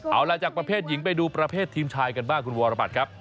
เอาล่ะจากประเภทหญิงไปดูประเภททีมชายกันบ้างคุณวรบัตรครับ